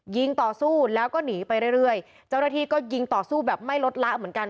ยิงต่อสู้แล้วก็หนีไปเรื่อยเรื่อยเจ้าหน้าที่ก็ยิงต่อสู้แบบไม่ลดละเหมือนกัน